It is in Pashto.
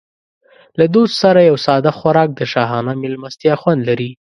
له دوست سره یو ساده خوراک د شاهانه مېلمستیا خوند لري.